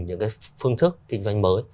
những cái phương thức kinh doanh mới